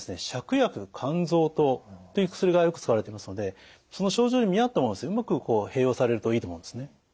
芍薬甘草湯という薬がよく使われていますのでその症状に見合ったものをうまく併用されるといいと思うんですね。